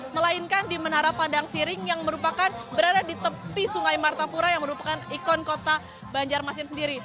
melainkan di menara pandang siring yang merupakan berada di tepi sungai martapura yang merupakan ikon kota banjarmasin sendiri